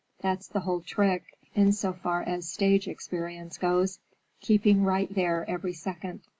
That's the whole trick, in so far as stage experience goes; keeping right there every second.